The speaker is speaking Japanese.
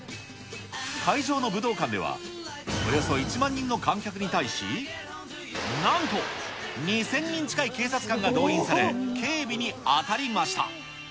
会場の武道館では、およそ１万人の観客に対し、なんと２０００人近い警察官が動員され、警備に当たりました。